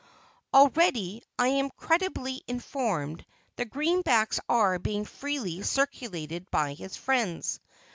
Already, I am credibly informed, the greenbacks are being freely circulated by his friends.